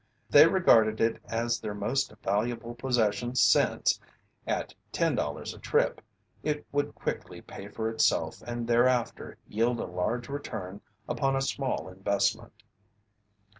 They regarded it as their most valuable possession since, at $10.00 a trip, it would quickly pay for itself and thereafter yield a large return upon a small investment.